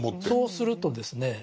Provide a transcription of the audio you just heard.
そうするとですね